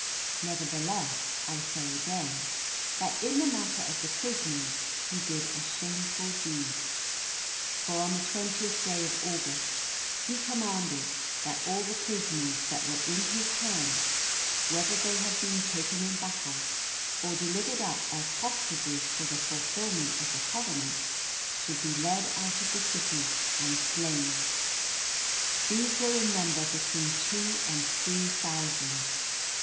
Nevertheless I say again, that in the matter of the prisoners he did a shameful deed. For on the 20th day of August he commanded that all the prisoners that were in his hands, whether they had been taken in battle, or delivered up as hostages for the fulfilment of the covenant, should be led out of the city and slain. These were in number between two and three thousand.